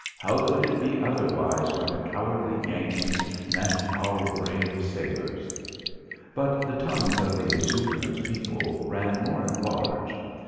How could it be otherwise when the cowardly Yankees met our brave sailors?" But the tongues of the exuberant people ran more at large.